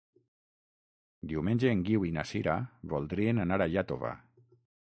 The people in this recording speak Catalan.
Diumenge en Guiu i na Sira voldrien anar a Iàtova.